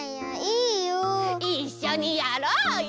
いっしょにやろうよ！